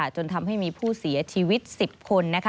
จนทำให้มีผู้เสียชีวิต๑๐คน